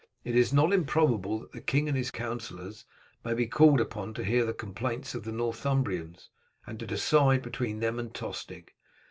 It is not improbable that the king and his councillors may be called upon to hear the complaints of the Northumbrians, and to decide between them and Tostig.